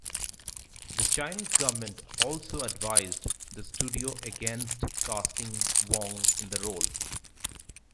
The Chinese government also advised the studio against casting Wong in the role.